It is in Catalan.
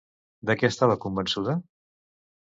De què estava convençuda?